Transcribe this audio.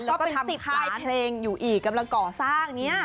แล้วก็ทำค่ายเพลงอยู่อีกกำลังก่อสร้างเนี่ย